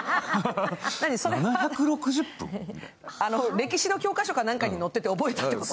歴史の教科書かなんかに載ってて覚えてたってこと？